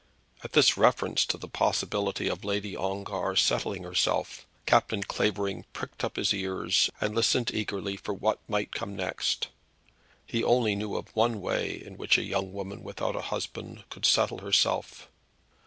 At this reference to the possibility of Lady Ongar settling herself, Captain Clavering pricked up his ears, and listened eagerly for what might come next. He only knew of one way in which a young woman without a husband could settle herself.